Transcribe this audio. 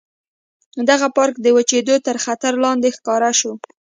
دغه پارک د وچېدو تر خطر لاندې ښکاره شو.